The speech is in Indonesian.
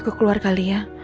aku keluar kali ya